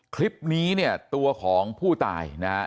คลิปนี้เนี่ยตัวของผู้ตายนะฮะ